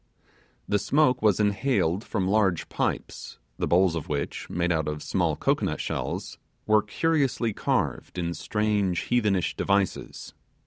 The smoke was inhaled from large pipes, the bowls of which, made out of small cocoanut shells, were curiously carved in strange heathenish devices.